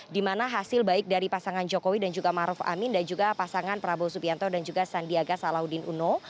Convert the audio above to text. di mana hasil baik dari pasangan jokowi dan juga maruf amin dan juga pasangan prabowo subianto dan juga sandiaga salahuddin uno